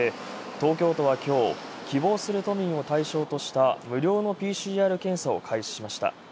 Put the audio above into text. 東京都は今日希望する都民を対象とした無料のＰＣＲ検査を開始しました。